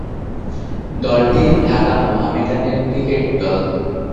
দলটি ঢাকা মোহামেডানের ক্রিকেট দল।